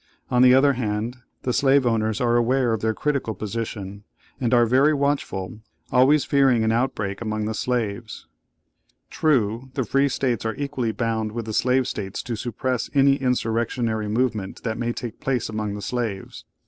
On the other hand, the slave owners are aware of their critical position, and are ever watchful, always fearing an outbreak among the slaves. True, the Free States are equally bound with the Slave States to suppress any insurrectionary movement that may take place among the slaves.